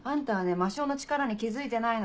魔性の力に気付いてないの。